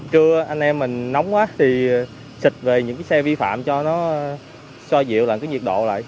trưa anh em mình nóng quá thì xịt về những cái xe vi phạm cho nó so dịu lại cái nhiệt độ lại